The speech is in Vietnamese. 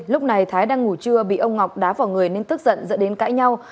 lúc này thái đang ngủ trưa bị ông ngọc đá vào người nên tức giận dẫn đến cãi nhau